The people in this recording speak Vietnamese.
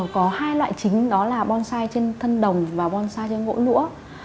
có hai loại chính đó là bonsai trên thân đồng và bonsai trên gỗ lũa